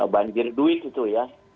banjir duit itu ya